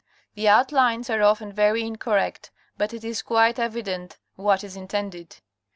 The outlines are often very incorrect but it is quite evident what is intended.